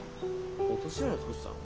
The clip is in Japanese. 落とし穴作ってたの？